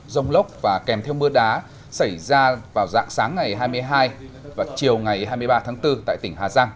rông lốc và kèm theo mưa đá xảy ra vào dạng sáng ngày hai mươi hai và chiều ngày hai mươi ba tháng bốn tại tỉnh hà giang